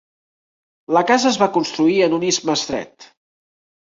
La casa es va construir en un istme estret.